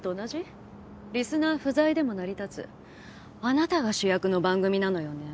リスナー不在でも成り立つあなたが主役の番組なのよね。